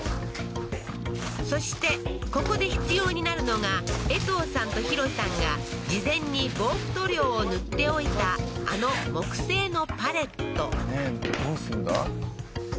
そしてここで必要になるのがえとうさんとヒロさんが事前に防腐塗料を塗っておいたあの木製のパレットどうすんだ？